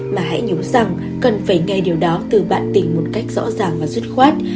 mà hãy nhúng rằng cần phải nghe điều đó từ bạn tình một cách rõ ràng và dứt khoát